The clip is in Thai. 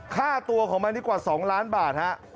ค่าตัวของมันนี่กว่า๒ล้านบาทฮะ